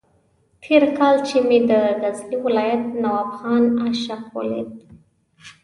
تېر کال چې مې د غزني ولایت نواب خان عاشق ولید.